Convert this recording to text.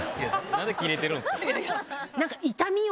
何でキレてるんすか！